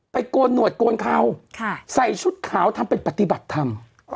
โกนหนวดโกนเขาใส่ชุดขาวทำเป็นปฏิบัติธรรม